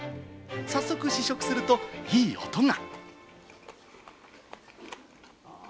早速、試食するといい音が。